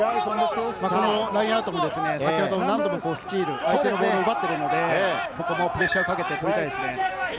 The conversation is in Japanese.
このラインアウトも先ほど何度もスチール、ボールを奪っているので、ここもプレッシャーをかけて取りたいですね。